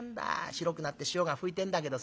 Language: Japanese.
白くなって塩がふいてんだけどさ。